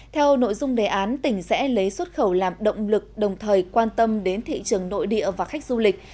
theo nội dung đề án tỉnh sẽ lấy xuất khẩu làm động lực đồng thời quan tâm đến thị trường nội địa và khách du lịch